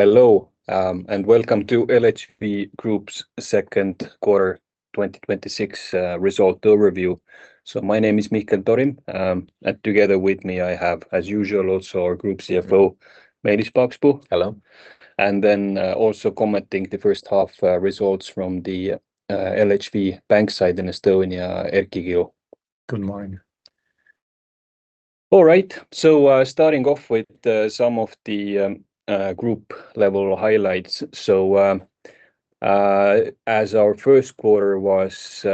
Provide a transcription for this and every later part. Hello, welcome to LHV Group's second quarter 2026 results overview. My name is Mihkel Torim, and together with me I have, as usual, also our group CFO, Meelis Paakspuu. Hello. Also commenting the first half results from the LHV Bank side in Estonia, Erki Kilu. Good morning. All right. Starting off with some of the group level highlights. As our first quarter was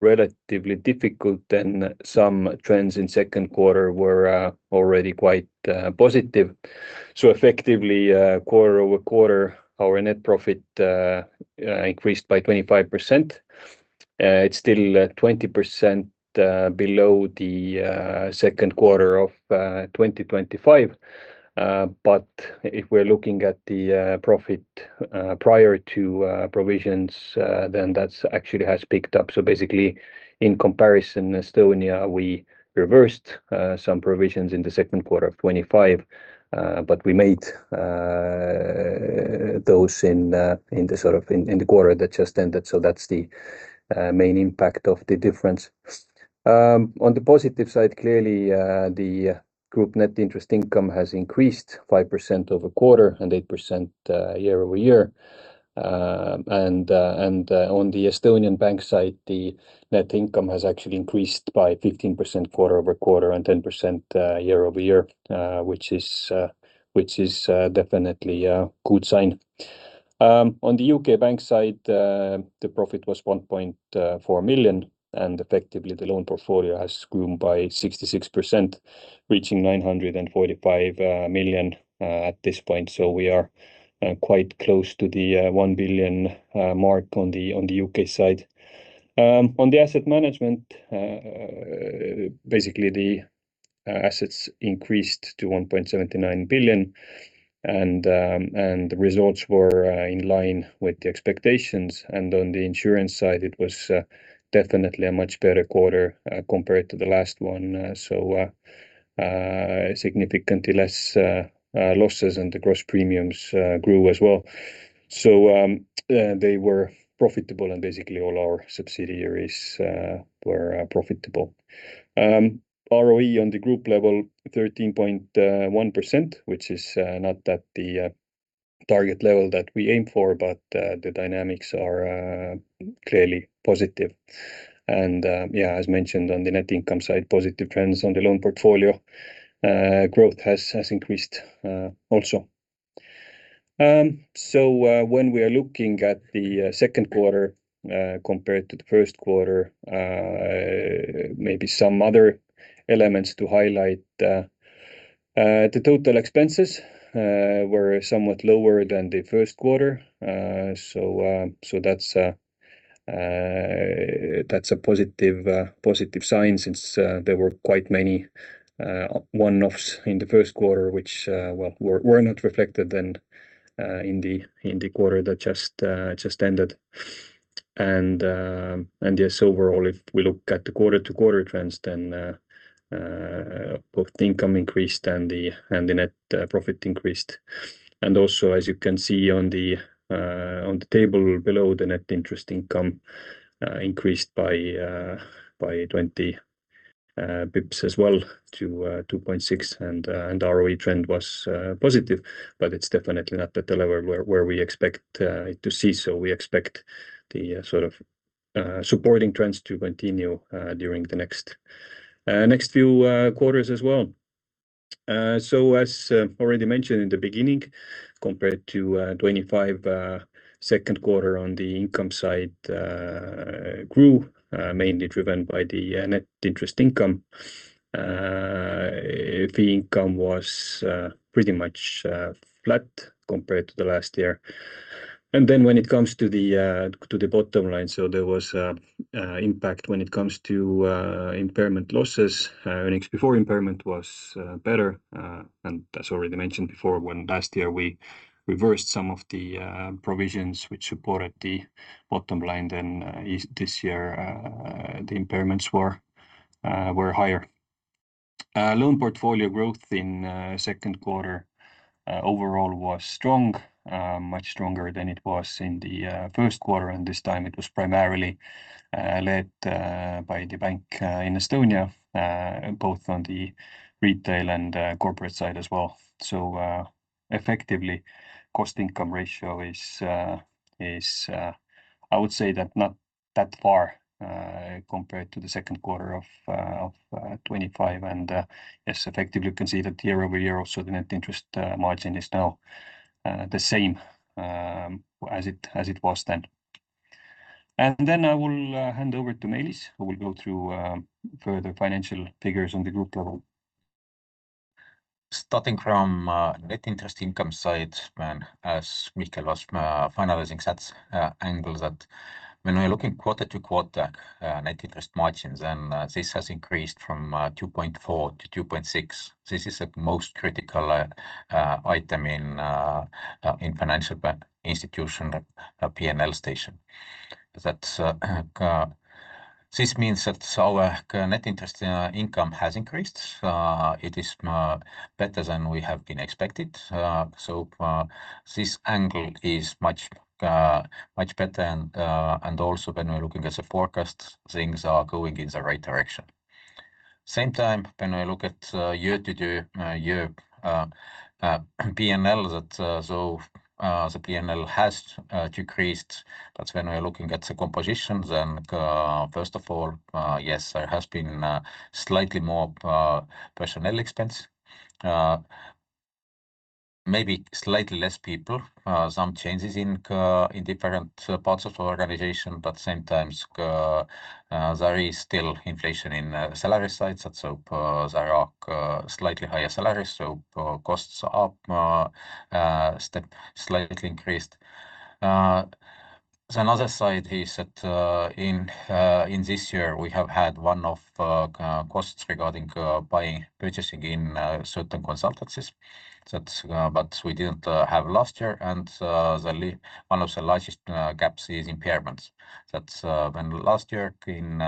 relatively difficult, some trends in second quarter were already quite positive. Effectively, quarter-over-quarter, our net profit increased by 25%. It's still 20% below the second quarter of 2025. If we're looking at the profit prior to provisions, that actually has picked up. Basically, in comparison, Estonia, we reversed some provisions in the second quarter of 2025, but we made those in the quarter that just ended. That's the main impact of the difference. On the positive side, clearly, the group net interest income has increased 5% quarter-over-quarter and 8% year-over-year. On the Estonian bank side, the net income has actually increased by 15% quarter-over-quarter and 10% year-over-year, which is definitely a good sign. On the U.K. Bank side, the profit was 1.4 million, effectively the loan portfolio has grown by 66%, reaching 945 million at this point. We are quite close to the 1 billion mark on the U.K. side. On the asset management, basically the assets increased to 1.79 billion, and the results were in line with the expectations. On the insurance side, it was definitely a much better quarter compared to the last one. Significantly less losses and the gross premiums grew as well. They were profitable and basically all our subsidiaries were profitable. ROE on the group level 13.1%, which is not at the target level that we aim for, but the dynamics are clearly positive. As mentioned on the net income side, positive trends on the loan portfolio growth has increased also. When we are looking at the second quarter, compared to the first quarter, maybe some other elements to highlight. The total expenses were somewhat lower than the first quarter. That's a positive sign since there were quite many one-offs in the first quarter, which were not reflected in the quarter that just ended. Overall, if we look at the quarter-over-quarter trends, both the income increased and the net profit increased. Also, as you can see on the table below, the net interest income increased by 20 basis points as well to 2.6%, and ROE trend was positive. It's definitely not at the level where we expect to see, we expect the supporting trends to continue during the next few quarters as well. As already mentioned in the beginning, compared to 2025, second quarter on the income side grew, mainly driven by the net interest income. Fee income was pretty much flat compared to the last year. When it comes to the bottom line, there was impact when it comes to impairment losses. Earnings before impairment was better, and as already mentioned before, when last year we reversed some of the provisions which supported the bottom line, this year the impairments were higher. Loan portfolio growth in second quarter overall was strong, much stronger than it was in the first quarter, and this time it was primarily led by LHV Bank in Estonia, both on the retail and corporate side as well. Effectively, cost income ratio is, I would say that not that far compared to the second quarter of 2025. Yes, effectively you can see that year-over-year also, the net interest margin is now the same as it was then. Then I will hand over to Meelis, who will go through further financial figures on the group level. Starting from net interest income side, as Mihkel was finalizing that angle, when we are looking quarter-to-quarter net interest margins, this has increased from 2.4% to 2.6%. This is the most critical item in financial institution P&L station. This means that our net interest income has increased. It is better than we have been expected. This angle is much better. When we are looking at the forecast, things are going in the right direction. When we look at year-to-year P&L, the P&L has decreased. When we are looking at the compositions. Yes, there has been slightly more personnel expense. Maybe slightly less people, some changes in different parts of our organization, there is still inflation in salary sides, there are slightly higher salaries, costs are up, slightly increased. The other side is that in this year, we have had one-off costs regarding purchasing in certain consultancies, but we did not have last year, and one of the largest gaps is impairments. When last year in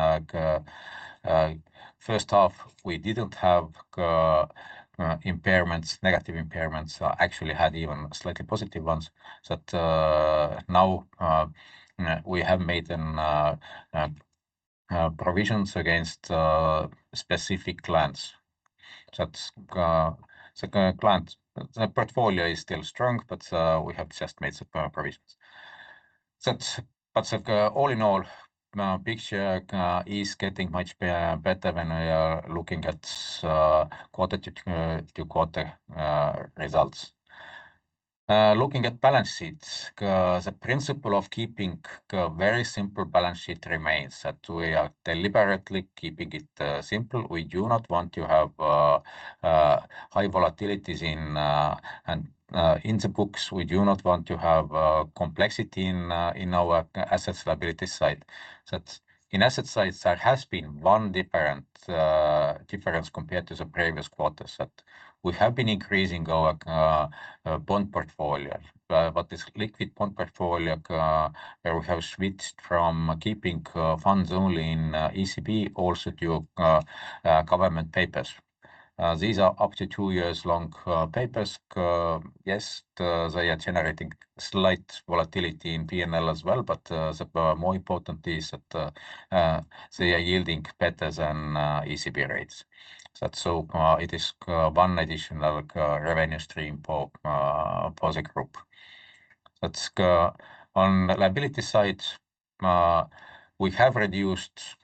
first half, we did not have negative impairments, actually had even slightly positive ones. Now, we have made provisions against specific clients. The client portfolio is still strong, but we have just made some provisions. All in all, picture is getting much better when we are looking at quarter-to-quarter results. Looking at balance sheets, the principle of keeping very simple balance sheet remains, we are deliberately keeping it simple. We do not want to have high volatilities in the books. We do not want to have complexity in our assets liability side. In asset side, there has been one difference compared to the previous quarters, we have been increasing our bond portfolio. This liquid bond portfolio, where we have switched from keeping funds only in ECB also to government papers. These are up to two years long papers. Yes, they are generating slight volatility in P&L as well, but the more important is they are yielding better than ECB rates. It is one additional revenue stream for the group. On the liability side, we have reduced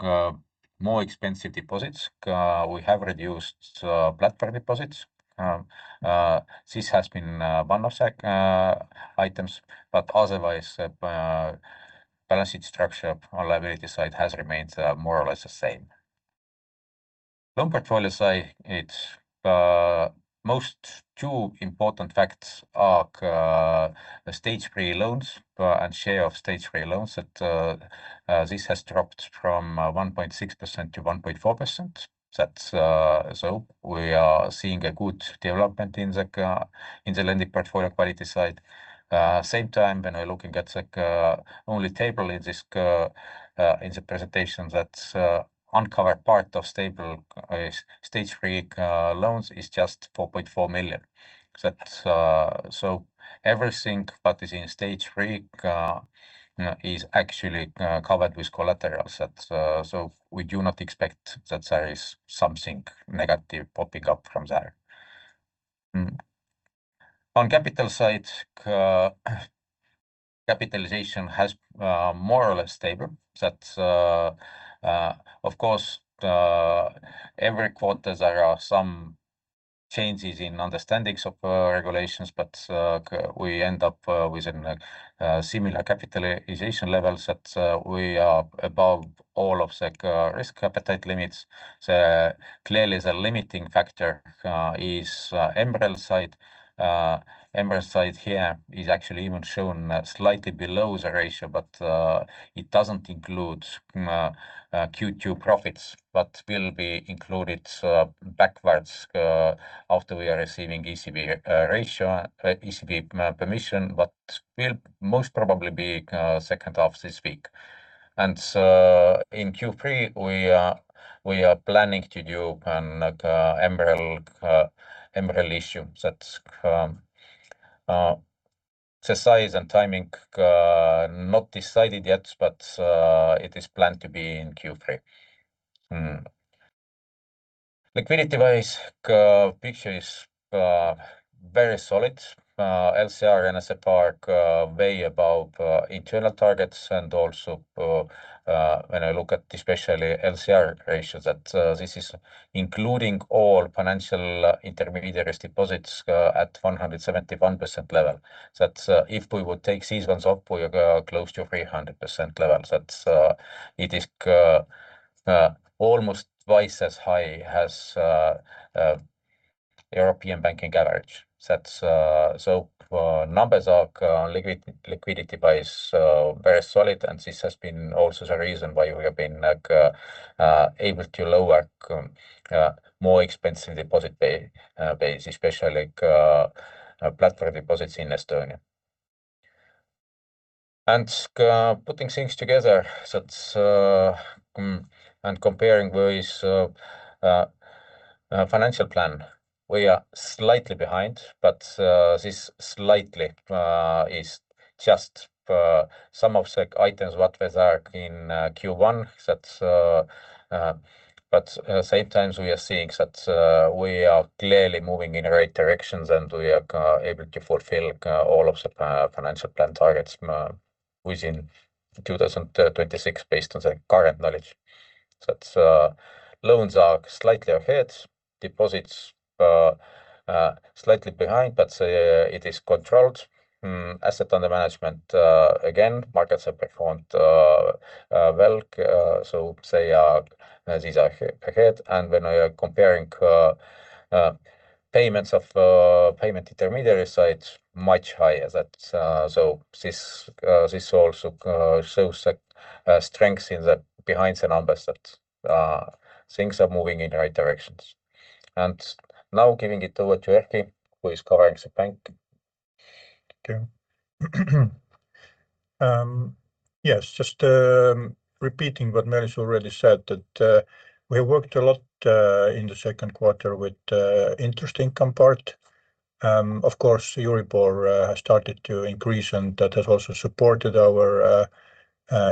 more expensive deposits. We have reduced platform deposits. This has been one of the items, balance sheet structure on liability side has remained more or less the same. Loan portfolio side, its most two important facts are the Stage 3 loans and share of Stage 3 loans, this has dropped from 1.6% to 1.4%. We are seeing a good development in the lending portfolio quality side. When we are looking at the only table in the presentation, uncovered part of Stage 3 loans is just 4.4 million. Everything that is in Stage 3 is actually covered with collaterals. We do not expect there is something negative popping up from there. On capital side, capitalization has more or less stable. Of course, every quarter, there are some changes in understandings of regulations, we end up with similar capitalization levels, we are above all of the risk appetite limits. Clearly, the limiting factor is MREL side. MREL side here is actually even shown slightly below the ratio, it does not include Q2 profits, will be included backwards after we are receiving ECB permission, will most probably be second half this week. In Q3, we are planning to do an MREL issue. The size and timing not decided yet, but it is planned to be in Q3. Liquidity-wise, picture is very solid. LCR and SREP are way above internal targets and also when I look at especially LCR ratio, this is including all financial intermediaries deposits at 171% level. If we would take these ones off, we are close to 300% level. It is almost twice as high as European banking average. Numbers are liquidity-wise, very solid, and this has been also the reason why we have been able to lower more expensive deposit base, especially platform deposits in Estonia. Putting things together and comparing with financial plan, we are slightly behind, but this slightly is just some of the items what was in Q1. At the same time, we are seeing that we are clearly moving in the right directions, and we are able to fulfill all of the financial plan targets within 2026 based on the current knowledge. Loans are slightly ahead, deposits slightly behind, but it is controlled. Asset under management, again, markets have performed well, so they are ahead. When we are comparing payments of payment intermediary side, much higher. This also shows the strength behind the numbers that things are moving in the right directions. Now giving it over to Erki, who is covering the bank. Okay. Yes, just repeating what Meelis already said, that we worked a lot in the second quarter with interest income part. Of course, Euribor has started to increase, and that has also supported our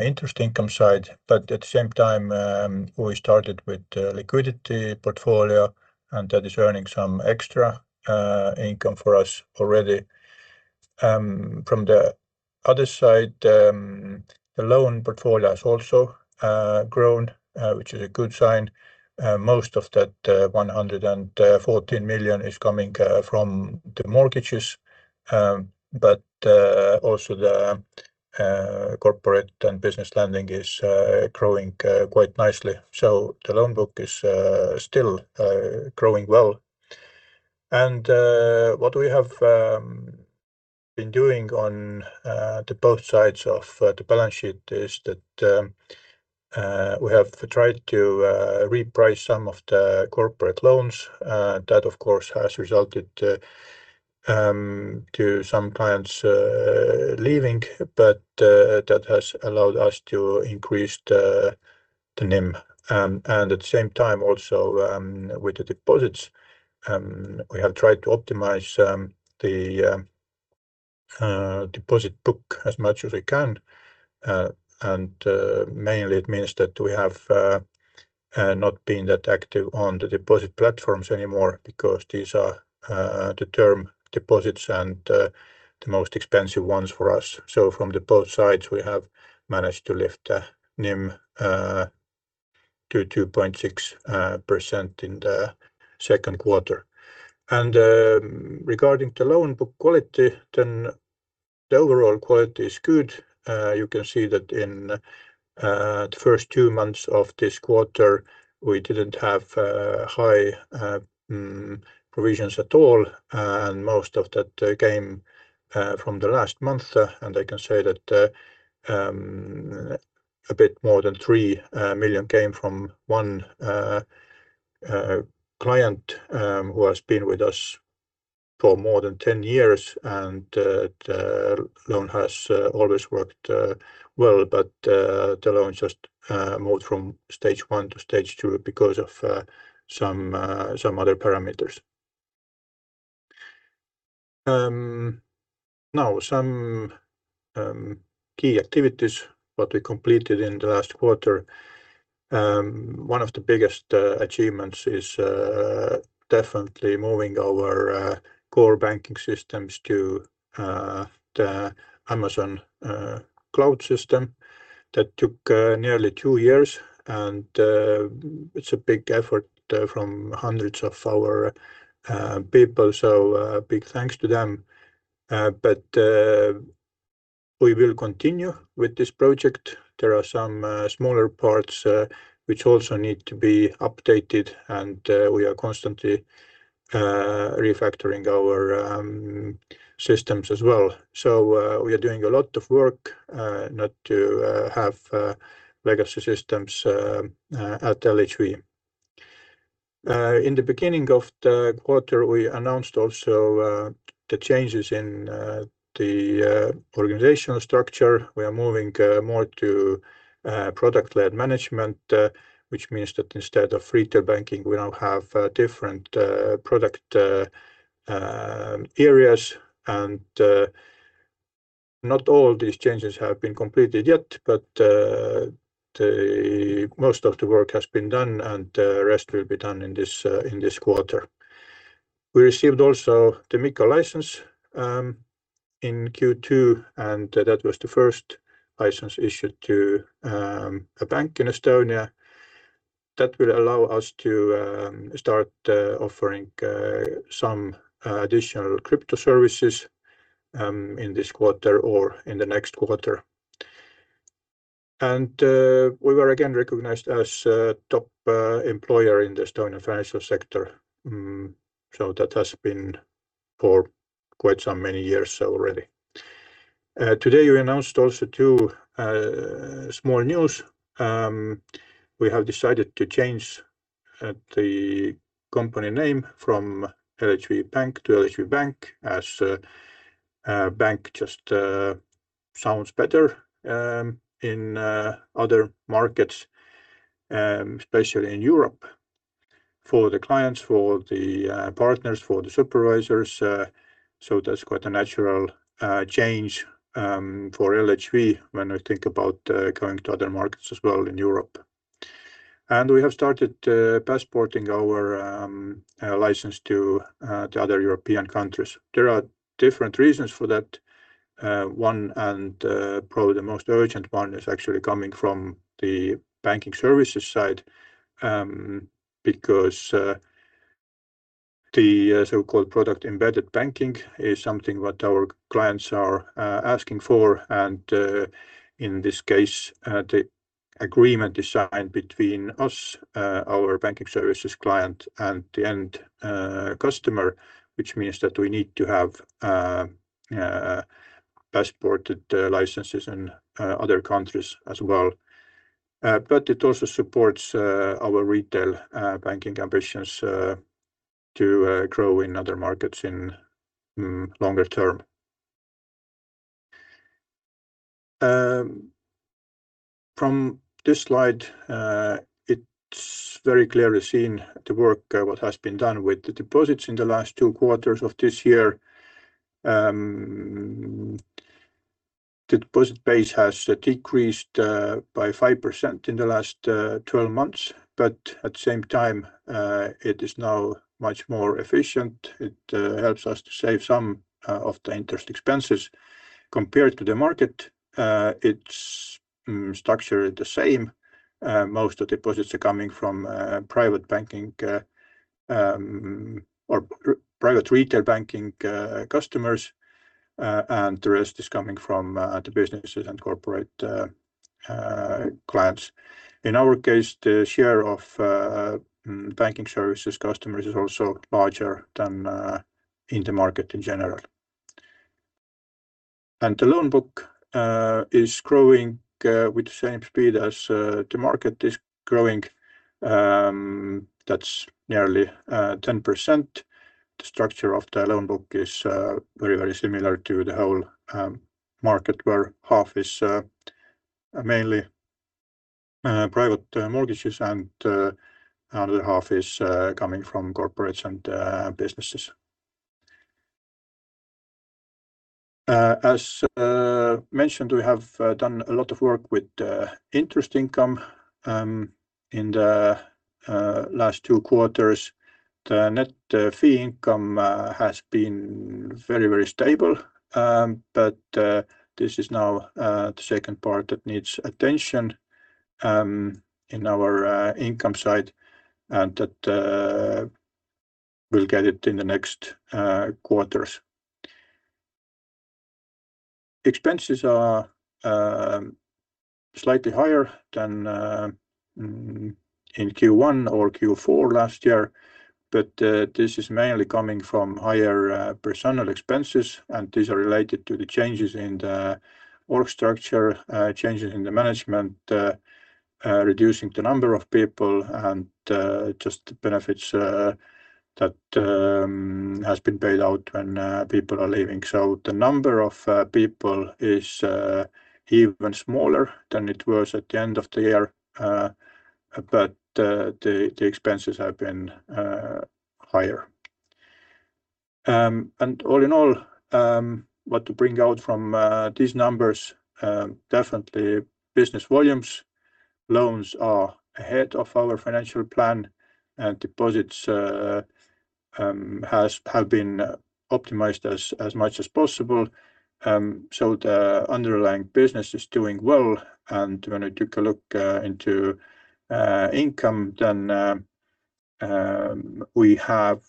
interest income side. At the same time, we started with liquidity portfolio, and that is earning some extra income for us already. The other side, the loan portfolio has also grown, which is a good sign. Most of that 114 million is coming from the mortgages, but also the corporate and business lending is growing quite nicely. The loan book is still growing well. What we have been doing on the both sides of the balance sheet is that we have tried to reprice some of the corporate loans. That, of course, has resulted to some clients leaving, but that has allowed us to increase the NIM. At the same time also with the deposits, we have tried to optimize the deposit book as much as we can. Mainly it means that we have not been that active on the deposit platforms anymore because these are the term deposits and the most expensive ones for us. From the both sides, we have managed to lift the NIM to 2.6% in the second quarter. Regarding the loan book quality, the overall quality is good. You can see that in the first two months of this quarter, we didn't have high provisions at all, and most of that came from the last month. I can say that a bit more than 3 million came from one client who has been with us for more than 10 years, and the loan has always worked well. The loan just moved from Stage 1 to Stage 2 because of some other parameters. Some key activities that we completed in the last quarter. One of the biggest achievements is definitely moving our core banking systems to the Amazon Cloud system. That took nearly two years, and it's a big effort from hundreds of our people, so big thanks to them. We will continue with this project. There are some smaller parts which also need to be updated, and we are constantly refactoring our systems as well. We are doing a lot of work not to have legacy systems at LHV. In the beginning of the quarter, we announced also the changes in the organizational structure. We are moving more to product-led management, which means that instead of retail banking, we now have different product areas. Not all these changes have been completed yet, but most of the work has been done and the rest will be done in this quarter. We received also the MiCA license in Q2, and that was the first license issued to a bank in Estonia. That will allow us to start offering some additional crypto services in this quarter or in the next quarter. We were again recognized as a top employer in the Estonian financial sector. That has been for quite some many years already. Today, we announced also two small news. We have decided to change the company name from LHV Pank to LHV Bank as bank just sounds better in other markets, especially in Europe, for the clients, for the partners, for the supervisors. That's quite a natural change for LHV when we think about going to other markets as well in Europe. We have started passporting our license to other European countries. There are different reasons for that. One, and probably the most urgent one, is actually coming from the banking services side, because the so-called product-embedded banking is something that our clients are asking for, and in this case, the agreement is signed between us, our banking services client, and the end customer, which means that we need to have passported licenses in other countries as well. It also supports our retail banking ambitions to grow in other markets in longer term. From this slide, it's very clearly seen the work, what has been done with the deposits in the last two quarters of this year. The deposit base has decreased by 5% in the last 12 months, but at the same time, it is now much more efficient. It helps us to save some of the interest expenses. Compared to the market, its structure is the same. Most of deposits are coming from private retail banking customers, and the rest is coming from the businesses and corporate clients. In our case, the share of banking services customers is also larger than in the market in general. The loan book is growing with the same speed as the market is growing. That's nearly 10%. The structure of the loan book is very, very similar to the whole market, where half is mainly private mortgages and the other half is coming from corporates and businesses. As mentioned, we have done a lot of work with interest income in the last two quarters. The net fee income has been very, very stable, but this is now the second part that needs attention in our income side and that we'll get it in the next quarters. Expenses are slightly higher than in Q1 or Q4 last year, but this is mainly coming from higher personnel expenses, and these are related to the changes in the work structure, changes in the management, reducing the number of people and just the benefits that has been paid out when people are leaving. The number of people is even smaller than it was at the end of the year. The expenses have been higher. All in all, what to bring out from these numbers, definitely business volumes, loans are ahead of our financial plan and deposits have been optimized as much as possible. The underlying business is doing well, and when we took a look into income, then we have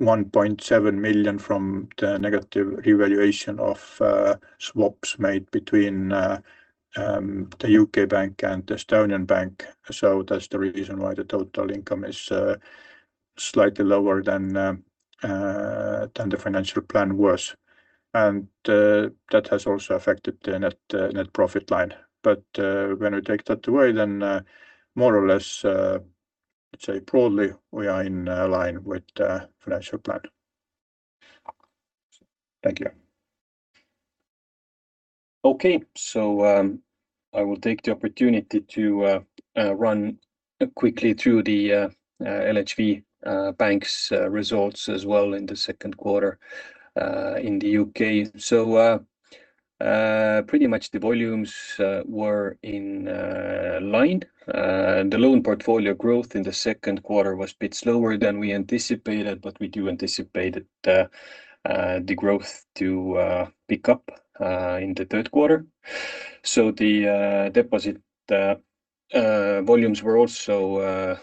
1.7 million from the negative revaluation of swaps made between the U.K. bank and the Estonian bank. That's the reason why the total income is slightly lower than the financial plan was, and that has also affected the net profit line. When we take that away, then more or less, let's say broadly, we are in line with financial plan. Thank you. Okay. I will take the opportunity to run quickly through the LHV Bank's results as well in the second quarter in the U.K.. Pretty much the volumes were in line. The loan portfolio growth in the second quarter was a bit slower than we anticipated, but we do anticipate the growth to pick up in the third quarter. The deposit volumes were also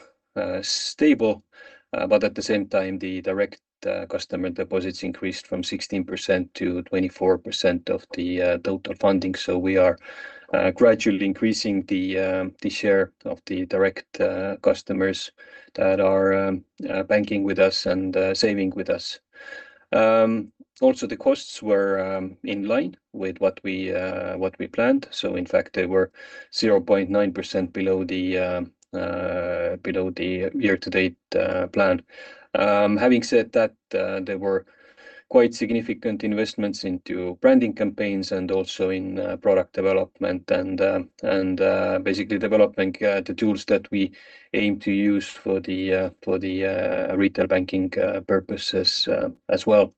stable, but at the same time, the direct customer deposits increased from 16%-24% of the total funding. We are gradually increasing the share of the direct customers that are banking with us and saving with us. Also, the costs were in line with what we planned. In fact, they were 0.9% below the year-to-date plan. Having said that, there were quite significant investments into branding campaigns and also in product development and basically developing the tools that we aim to use for the retail banking purposes as well.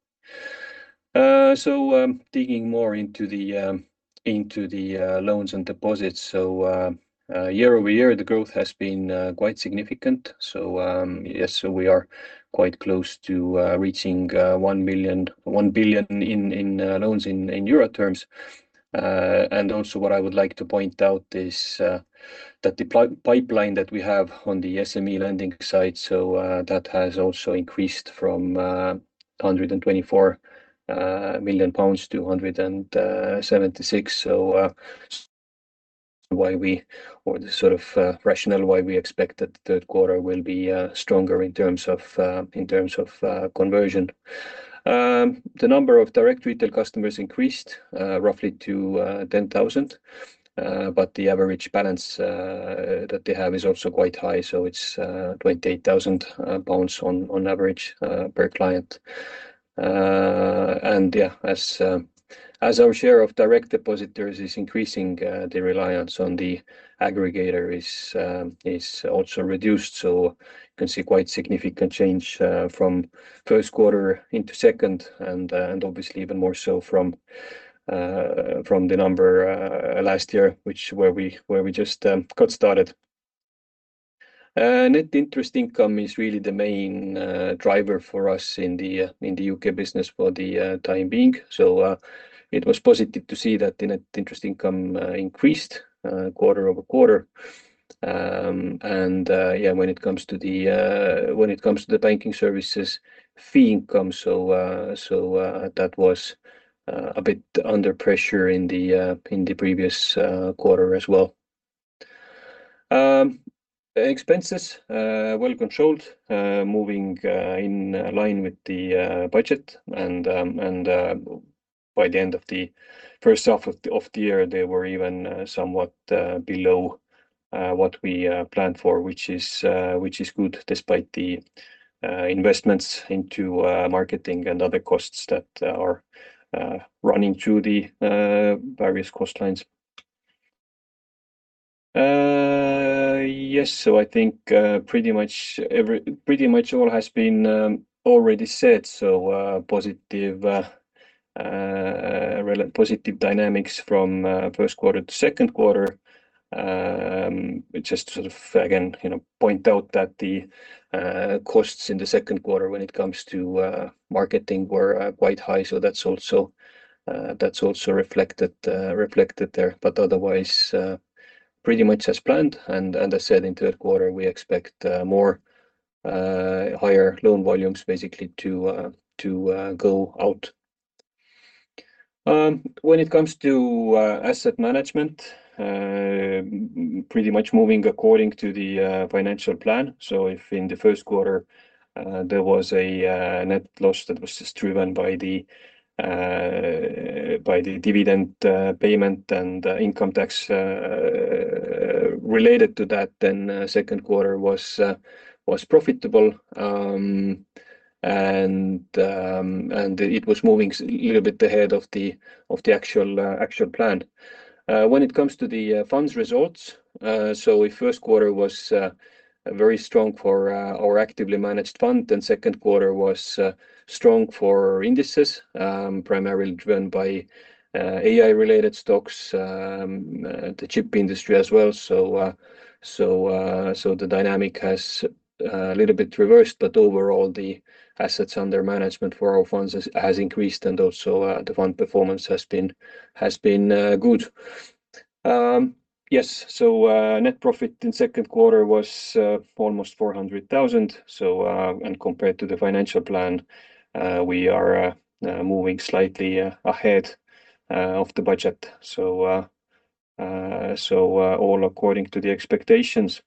Digging more into the loans and deposits. Year-over-year, the growth has been quite significant. Yes, we are quite close to reaching 1 billion in loans in euro terms. Also what I would like to point out is that the pipeline that we have on the SME lending side, that has also increased from 124 million pounds to 176 million. The rationale why we expect that the third quarter will be stronger in terms of conversion. The number of direct retail customers increased roughly to 10,000. The average balance that they have is also quite high, so it's 28,000 pounds on average per client. Yeah, as our share of direct depositors is increasing, the reliance on the aggregator is also reduced. You can see quite significant change from first quarter into second, and obviously even more so from the number last year, where we just got started. Net interest income is really the main driver for us in the U.K. business for the time being. It was positive to see that net interest income increased quarter-over-quarter. Yeah, when it comes to the banking services fee income, that was a bit under pressure in the previous quarter as well. Expenses, well controlled, moving in line with the budget and by the end of the first half of the year, they were even somewhat below what we planned for, which is good despite the investments into marketing and other costs that are running through the various cost lines. Yes, I think pretty much all has been already said. Positive dynamics from first quarter to second quarter. Just to, again, point out that the costs in the second quarter when it comes to marketing were quite high, that's also reflected there. Otherwise, pretty much as planned. As I said, in third quarter, we expect more higher loan volumes basically to go out. When it comes to asset management, pretty much moving according to the financial plan. If in the first quarter, there was a net loss that was just driven by the dividend payment and income tax related to that, then second quarter was profitable, and it was moving a little bit ahead of the actual plan. When it comes to the funds results, if first quarter was very strong for our actively managed fund, then second quarter was strong for indices, primarily driven by AI-related stocks, the chip industry as well. The dynamic has a little bit reversed, but overall, the assets under management for our funds has increased and also the fund performance has been good. Yes, net profit in second quarter was almost 400,000. Compared to the financial plan, we are moving slightly ahead of the budget. All according to the expectations.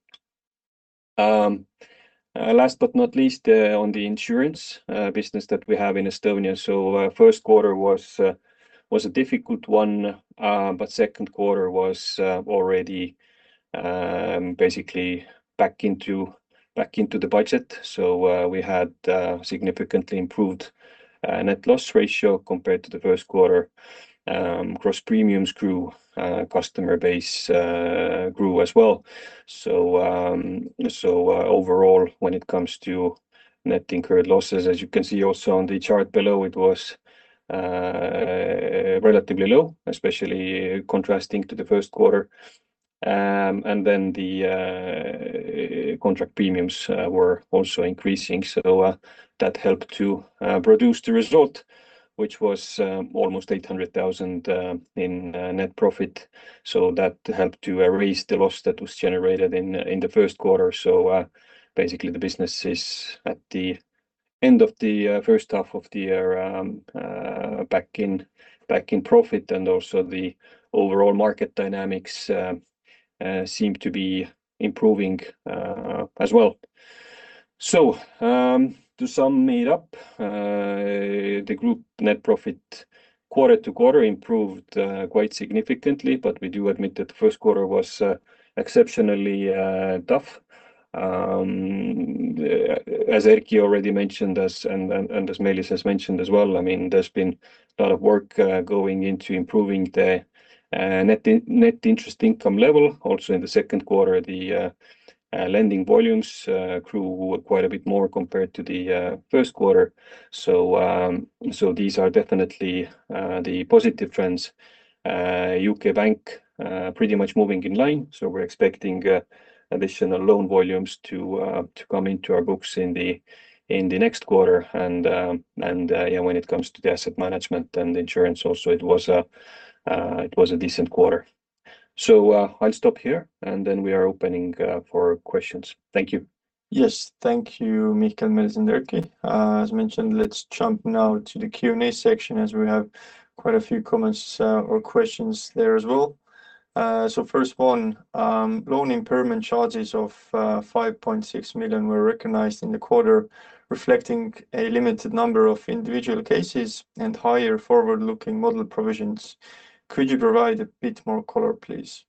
Last but not least, on the insurance business that we have in Estonia. First quarter was a difficult one, second quarter was already basically back into the budget. We had significantly improved net loss ratio compared to the first quarter. Gross premiums grew, customer base grew as well. Overall, when it comes to net incurred losses, as you can see also on the chart below, it was relatively low, especially contrasting to the first quarter. Then the contract premiums were also increasing, that helped to produce the result, which was almost 800,000 in net profit. That helped to erase the loss that was generated in the first quarter. Basically, the business is at the end of the first half of the year back in profit, and also the overall market dynamics seem to be improving as well. To sum it up, the group net profit quarter-to-quarter improved quite significantly, but we do admit that the first quarter was exceptionally tough. As Erki already mentioned, and as Meelis has mentioned as well, there's been a lot of work going into improving the net interest income level. In the second quarter, the lending volumes grew quite a bit more compared to the first quarter. These are definitely the positive trends. LHV Bank pretty much moving in line, so we're expecting additional loan volumes to come into our books in the next quarter. When it comes to the asset management and insurance also, it was a decent quarter. I'll stop here, we are opening for questions. Thank you. Yes. Thank you, Mihkel, Meelis and Erki. As mentioned, let's jump now to the Q&A section, as we have quite a few comments or questions there as well. First one, loan impairment charges of 5.6 million were recognized in the quarter, reflecting a limited number of individual cases and higher forward-looking model provisions. Could you provide a bit more color, please?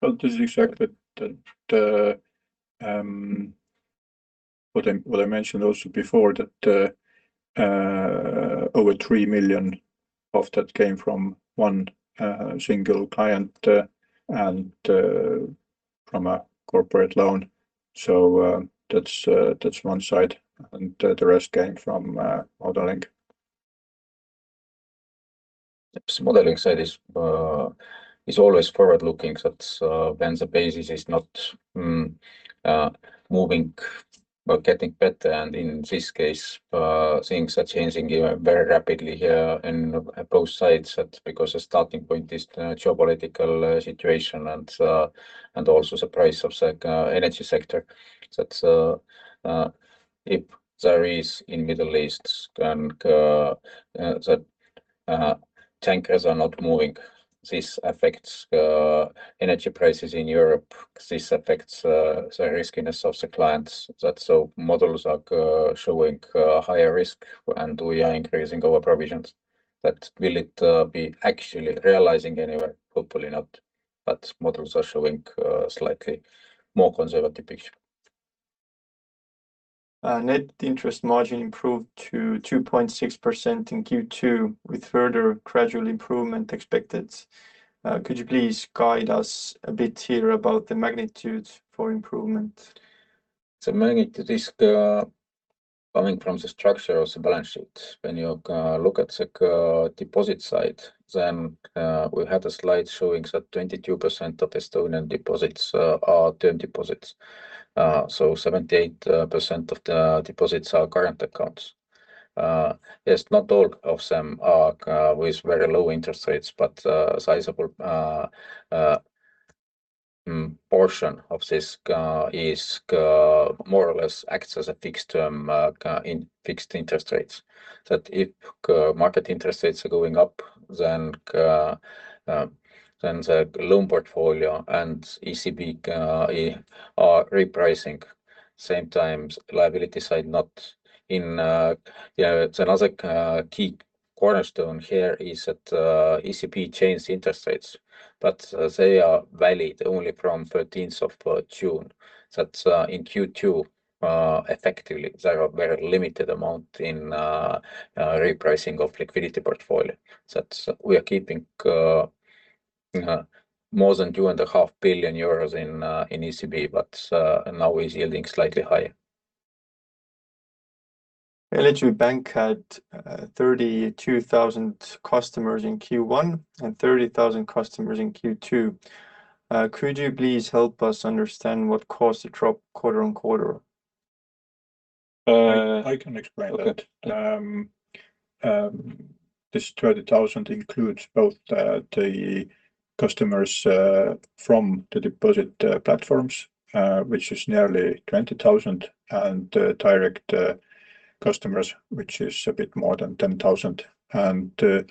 Well, this is exactly what I mentioned also before, that over 3 million of that came from one single client and from a corporate loan. That's one side, the rest came from modeling. Yes. Modeling side is always forward-looking. When the basis is not moving or getting better, in this case, things are changing very rapidly here in both sides, that's because the starting point is the geopolitical situation and also the price of energy sector. If there is in Middle East, and the tankers are not moving, this affects energy prices in Europe, this affects the riskiness of the clients. Models are showing higher risk, and we are increasing our provisions. That will it be actually realizing anywhere, hopefully not. Models are showing a slightly more conservative picture. Net interest margin improved to 2.6% in Q2, with further gradual improvement expected. Could you please guide us a bit here about the magnitude for improvement? The magnitude is coming from the structure of the balance sheet. When you look at the deposit side, then we had a slide showing that 22% of Estonian deposits are term deposits. 78% of the deposits are current accounts. Yes, not all of them are with very low interest rates, but a sizable portion of this more or less acts as a fixed interest rates. That if market interest rates are going up, then the loan portfolio and ECB are repricing, same time, liability side not in. Another key cornerstone here is that ECB changed interest rates, but they are valid only from 13th of June. That in Q2, effectively, there are very limited amount in repricing of liquidity portfolio, that we are keeping more than 2.5 billion euros in ECB, but now is yielding slightly higher. LHV Bank had 32,000 customers in Q1 and 30,000 customers in Q2. Could you please help us understand what caused the drop quarter-on-quarter? I can explain that. Okay. This 30,000 includes both the customers from the deposit platforms, which is nearly 20,000, and direct customers, which is a bit more than 10,000. The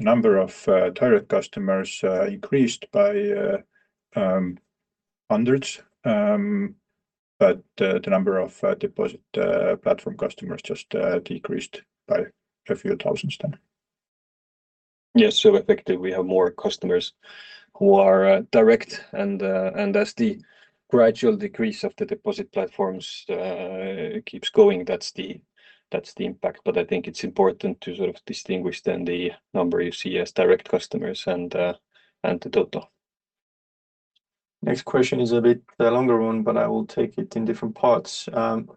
number of direct customers increased by hundreds, the number of deposit platform customers just decreased by a few thousand. Effectively, we have more customers who are direct, as the gradual decrease of the deposit platforms keeps going, that's the impact. I think it's important to sort of distinguish the number you see as direct customers and the total. Next question is a bit longer one, I will take it in different parts.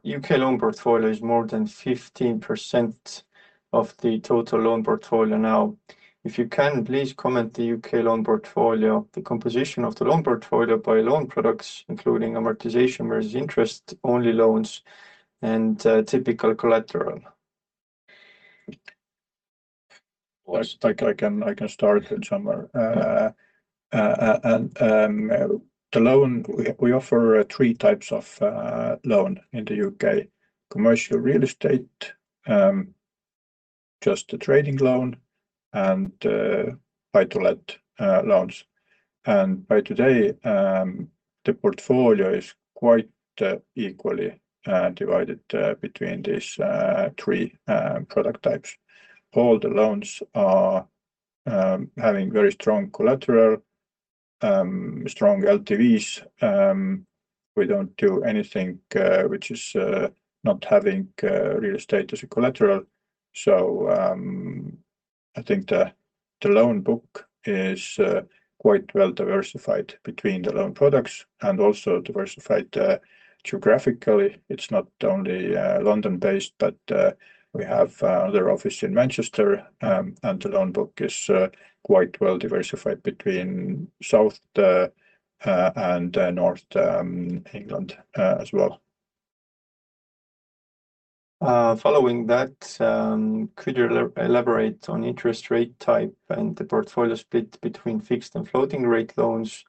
U.K. loan portfolio is more than 15% of the total loan portfolio now. If you can, please comment the U.K. loan portfolio, the composition of the loan portfolio by loan products, including amortization versus interest-only loans and typical collateral. I can start somewhere. We offer three types of loan in the U.K.: commercial real estate, bridging loan and buy-to-let loans. By today, the portfolio is quite equally divided between these three product types. All the loans are having very strong collateral, strong LTVs. We don't do anything which is not having real estate as a collateral. I think the loan book is quite well diversified between the loan products and also diversified geographically. It's not only London-based, we have another office in Manchester, the loan book is quite well diversified between South and North England as well. Following that, could you elaborate on interest rate type and the portfolio split between fixed and floating rate loans?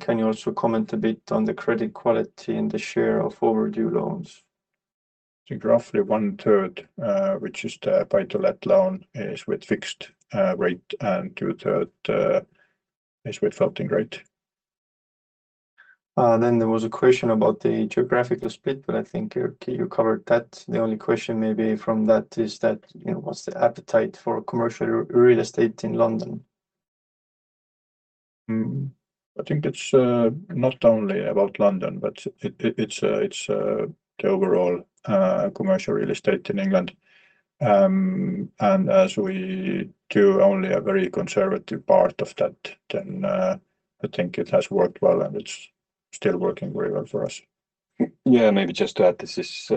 Can you also comment a bit on the credit quality and the share of overdue loans? I think roughly 1/3, which is the buy-to-let loan, is with fixed rate, and 2/3 is with floating rate. There was a question about the geographical split, but I think you covered that. The only question maybe from that is what's the appetite for commercial real estate in London? I think it's not only about London, but it's the overall commercial real estate in England. As we do only a very conservative part of that, then I think it has worked well, and it's still working very well for us. Maybe just to add, this is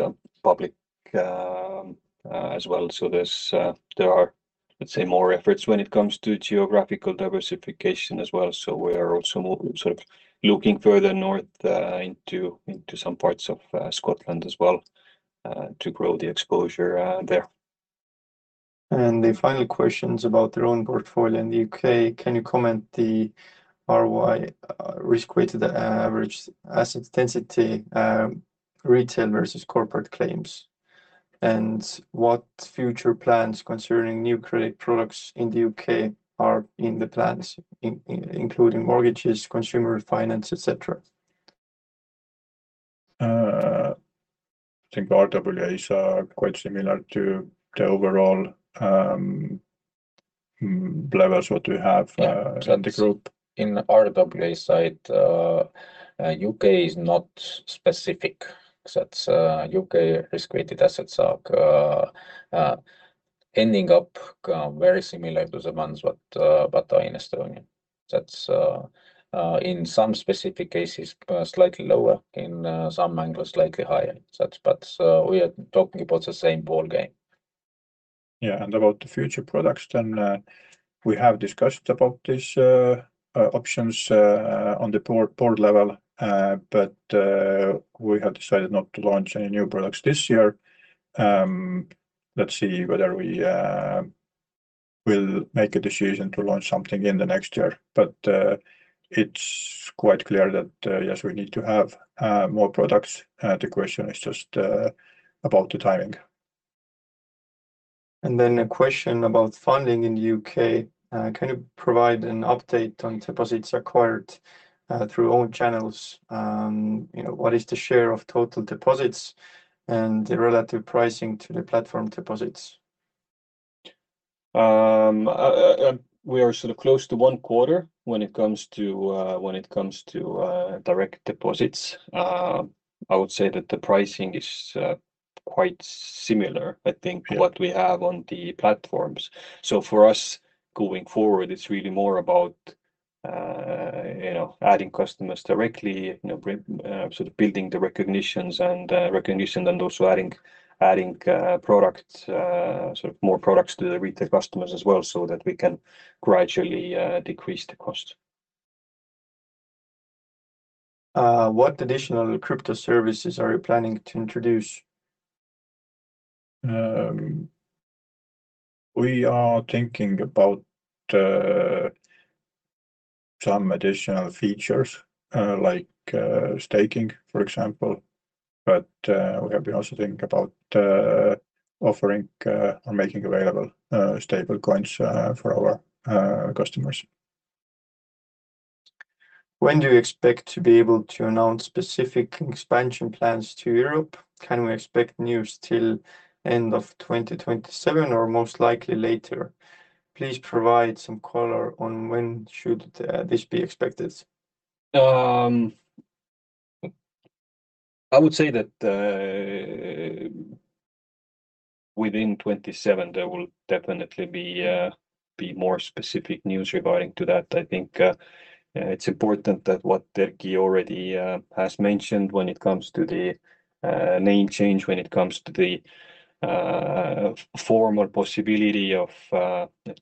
public as well. There are, let's say, more efforts when it comes to geographical diversification as well. We are also sort of looking further north into some parts of Scotland as well, to grow the exposure there. The final question is about their own portfolio in the U.K. Can you comment the ROI, risk-weighted assets, asset density, retail versus corporate claims, and what future plans concerning new credit products in the U.K. are in the plans, including mortgages, consumer finance, et cetera? I think RWAs are quite similar to the overall levers, what we have. In the Group, in RWA side, U.K. is not specific. That's U.K. risk-weighted assets are ending up very similar to the ones what are in Estonia. That's in some specific cases, slightly lower. In some angles, slightly higher. We are talking about the same ballgame. About the future products, we have discussed about these options on the board level. We have decided not to launch any new products this year. Let's see whether we'll make a decision to launch something in the next year. It's quite clear that, yes, we need to have more products. The question is just about the timing. A question about funding in the U.K. Can you provide an update on deposits acquired through own channels? What is the share of total deposits and the relative pricing to the platform deposits? We are sort of close to one quarter when it comes to direct deposits. I would say that the pricing is quite similar, I think, to what we have on the platforms. For us, going forward, it's really more about adding customers directly, sort of building the recognition and also adding more products to the retail customers as well, so that we can gradually decrease the cost. What additional crypto services are you planning to introduce? We are thinking about some additional features, like staking, for example. We have been also thinking about offering or making available stablecoins for our customers. When do you expect to be able to announce specific expansion plans to Europe? Can we expect news till end of 2027 or most likely later? Please provide some color on when should this be expected. I would say that within 2027, there will definitely be more specific news regarding to that. I think it's important that what Erki already has mentioned when it comes to the name change, when it comes to the form or possibility of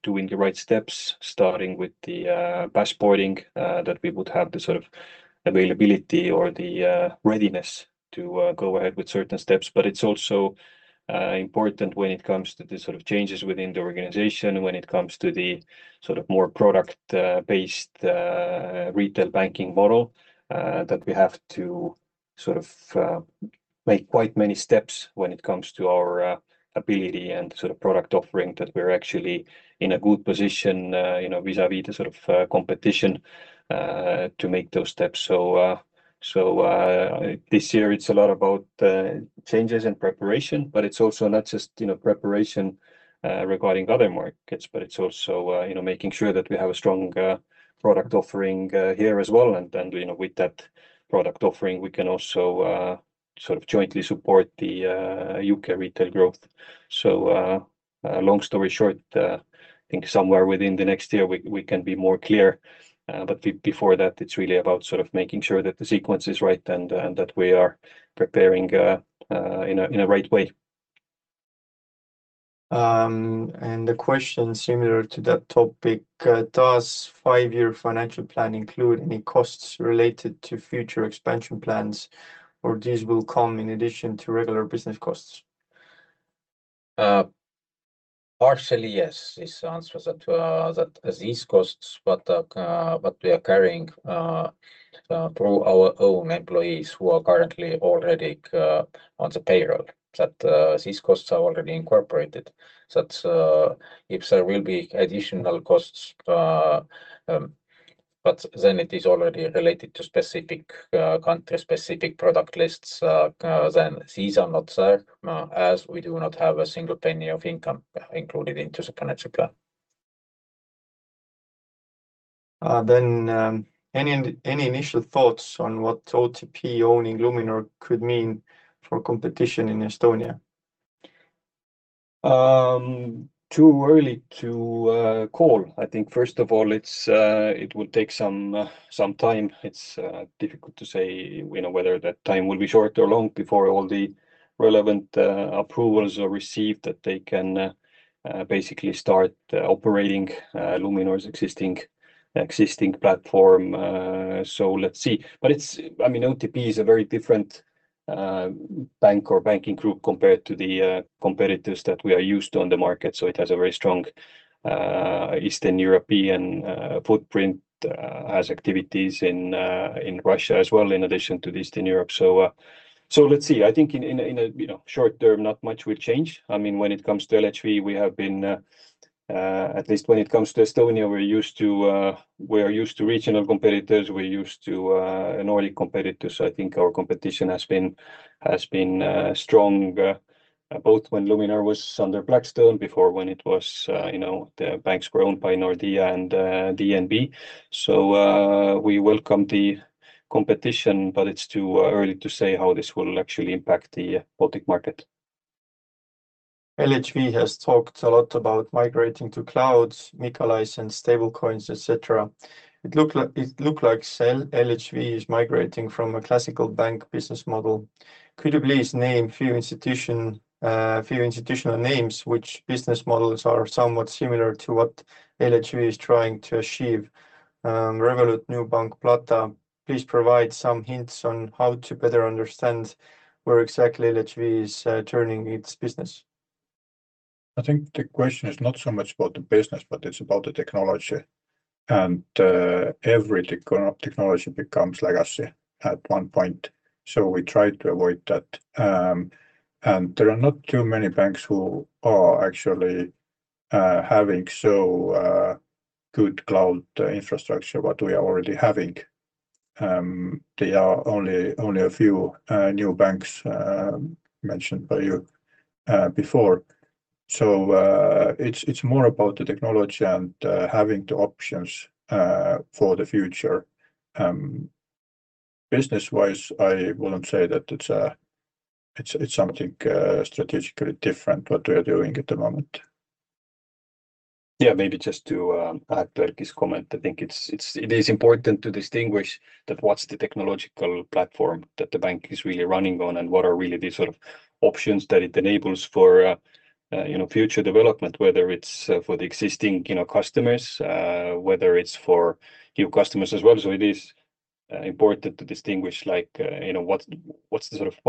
doing the right steps, starting with the passporting, that we would have the sort of availability or the readiness to go ahead with certain steps. It's also important when it comes to the sort of changes within the organization, when it comes to the sort of more product-based retail banking model, that we have to sort of make quite many steps when it comes to our ability and product offering that we're actually in a good position, vis-a-vis the competition to make those steps. This year it's a lot about changes and preparation, but it's also not just preparation regarding other markets, but it's also making sure that we have a strong product offering here as well. With that product offering, we can also jointly support the U.K. retail growth. Long story short, I think somewhere within the next year we can be more clear. Before that, it's really about making sure that the sequence is right and that we are preparing in a right way. The question similar to that topic, does five-year financial plan include any costs related to future expansion plans, or these will come in addition to regular business costs? Partially yes, is the answer. These costs, what we are carrying through our own employees who are currently already on the payroll, these costs are already incorporated. If there will be additional costs, but then it is already related to specific country, specific product lists, then these are not there as we do not have a single penny of income included into the financial plan. Any initial thoughts on what OTP owning Luminor could mean for competition in Estonia? Too early to call. I think first of all, it will take some time. It is difficult to say whether that time will be short or long before all the relevant approvals are received that they can basically start operating Luminor's existing platform. Let's see. OTP is a very different bank or banking group compared to the competitors that we are used to on the market. It has a very strong Eastern European footprint, has activities in Russia as well, in addition to Eastern Europe. Let's see. I think in the short term, not much will change. When it comes to LHV, we have been, at least when it comes to Estonia, we are used to regional competitors, we are used to Nordic competitors. I think our competition has been strong both when Luminor was under Blackstone, before when the banks were owned by Nordea and DNB. We welcome the competition, but it is too early to say how this will actually impact the Baltic market. LHV has talked a lot about migrating to clouds, MiCA license, stablecoins, et cetera. It look like LHV is migrating from a classical bank business model. Could you please name a few institutional names which business models are somewhat similar to what LHV is trying to achieve? Revolut, Nubank, Plata. Please provide some hints on how to better understand where exactly LHV is turning its business. I think the question is not so much about the business, but it is about the technology. Every technology becomes legacy at one point. We try to avoid that. There are not too many banks who are actually having so good cloud infrastructure what we are already having. There are only a few new banks mentioned by you before. It is more about the technology and having the options for the future. Business-wise, I wouldn't say that it is something strategically different what we are doing at the moment. Yeah, maybe just to add to Erki's comment, I think it is important to distinguish that what's the technological platform that the bank is really running on and what are really the sort of options that it enables for future development, whether it's for the existing customers, whether it's for new customers as well. It is important to distinguish what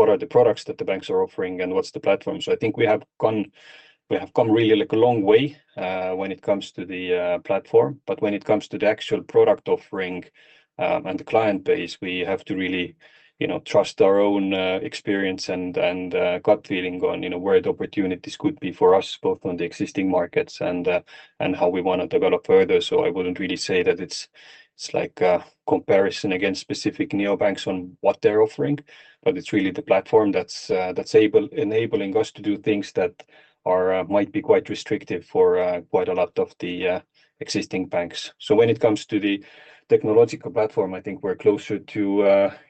are the products that the banks are offering and what's the platform. I think we have come really a long way when it comes to the platform, but when it comes to the actual product offering and the client base, we have to really trust our own experience and gut feeling on where the opportunities could be for us, both on the existing markets and how we want to develop further. I wouldn't really say that it's a comparison against specific neobanks on what they're offering, but it's really the platform that's enabling us to do things that might be quite restrictive for quite a lot of the existing banks. When it comes to the technological platform, I think we're closer to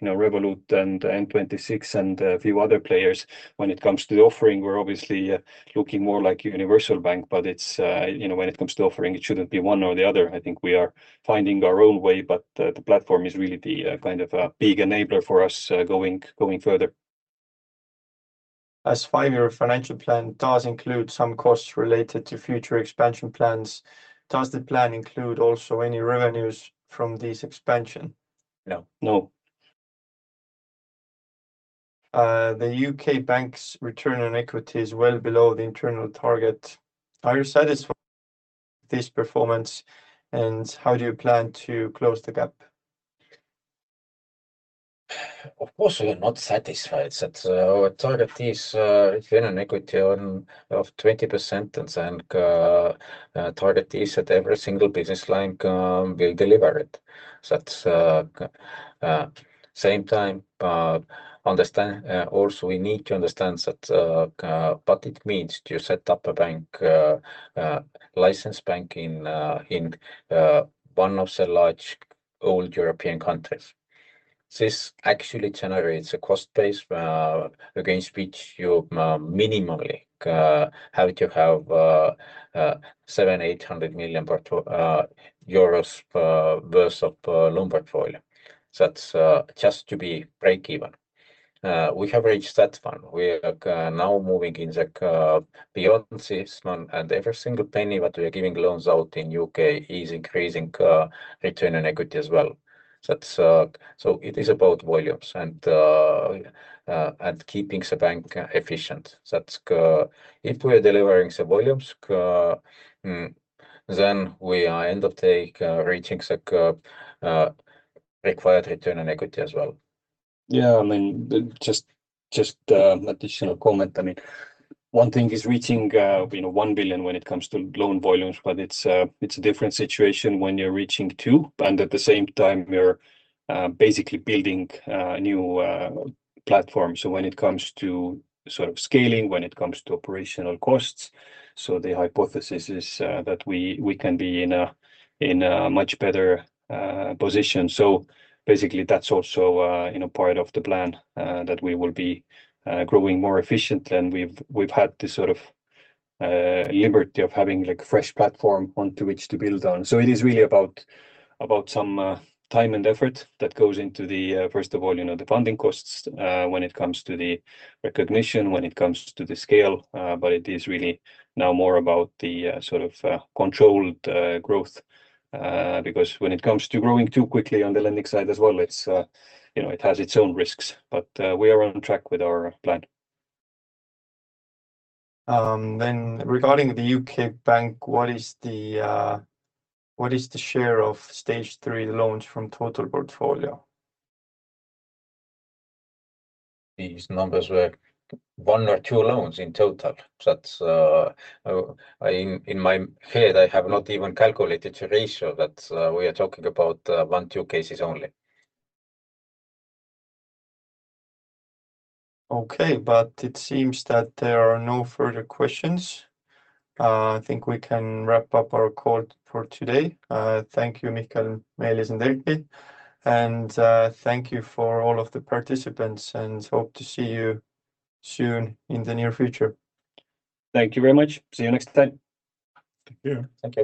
Revolut and N26 and a few other players. When it comes to the offering, we're obviously looking more like a universal bank, when it comes to offering, it shouldn't be one or the other. I think we are finding our own way, but the platform is really the big enabler for us going further. Five-year financial plan does include some costs related to future expansion plans, does the plan include also any revenues from this expansion? No. No. The U.K. bank's return on equity is well below the internal target. Are you satisfied of this performance, how do you plan to close the gap? Of course, we are not satisfied. Our target is return on equity of 20%, and target is that every single business line will deliver it. At the same time, also we need to understand what it means to set up a licensed bank in one of the large old European countries. This actually generates a cost base against which you minimally have to have 700 million-800 million euros worth of loan portfolio. That's just to be break even. We have reached that point. We are now moving beyond this, and every single penny that we are giving loans out in U.K. is increasing return on equity as well. It is about volumes and keeping the bank efficient. If we are delivering the volumes, we end up reaching the required return on equity as well. Yeah, just additional comment. One thing is reaching 1 billion when it comes to loan volumes, but it's a different situation when you're reaching 2 billion, and at the same time, we're basically building a new platform. When it comes to scaling, when it comes to operational costs, the hypothesis is that we can be in a much better position. Basically, that's also part of the plan, that we will be growing more efficient, and we've had this sort of liberty of having fresh platform onto which to build on. It is really about some time and effort that goes into, first of all, the funding costs, when it comes to the recognition, when it comes to the scale. It is really now more about the sort of controlled growth, because when it comes to growing too quickly on the lending side as well, it has its own risks. We are on track with our plan. Regarding the U.K. bank, what is the share of Stage 3 loans from total portfolio? These numbers were one or two loans in total. In my head, I have not even calculated the ratio, but we are talking about one, two cases only. Okay, it seems that there are no further questions. I think we can wrap up our call for today. Thank you, Mihkel, Meelis, and Erki. Thank you for all of the participants, Hope to see you soon in the near future. Thank you very much. See you next time. Thank you. Thank you.